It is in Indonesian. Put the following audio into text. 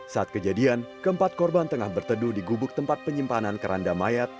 saat kejadian keempat korban tengah berteduh di gubuk tempat penyimpanan keranda mayat